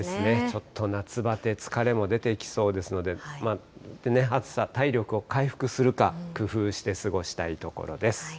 ちょっと夏バテ、疲れも出てきそうですので、暑さ、体力を回復するか、工夫して過ごしたいところです。